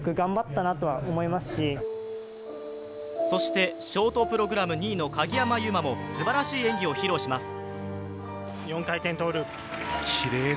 そしてショートプログラム２位の鍵山優真も、すばらしい演技を披露します。